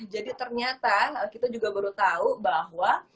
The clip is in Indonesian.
jadi ternyata kita juga baru tau bahwa